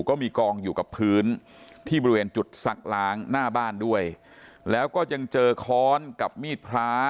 ก็มีกองอยู่กับพื้นที่บริเวณจุดซักล้างหน้าบ้านด้วยแล้วก็ยังเจอค้อนกับมีดพระ